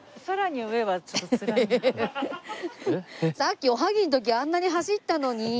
さっきおはぎの時あんなに走ったのに。